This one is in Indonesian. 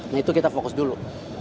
nah itu kita fokus dulu